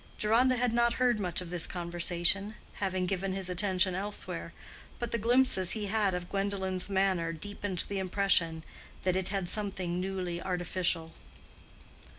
Deronda had not heard much of this conversation, having given his attention elsewhere, but the glimpses he had of Gwendolen's manner deepened the impression that it had something newly artificial.